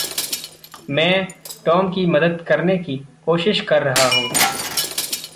मैं टॉम की मदद करने की कोशिश कर रहा हूँ।